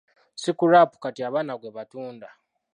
Sikulaapu kati abaana gwe batunda.